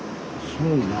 すごいな。